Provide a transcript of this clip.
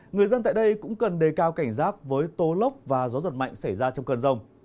người dân tại đây cũng cần đề cao cảnh giác với tô lốc và gió giật mạnh xảy ra trong cơn rông